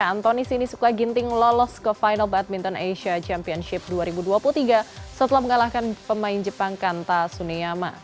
antoni sinisuka ginting lolos ke final badminton asia championship dua ribu dua puluh tiga setelah mengalahkan pemain jepang kanta suneyama